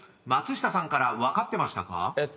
松下さんから分かってましたか？］